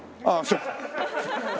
ああそう。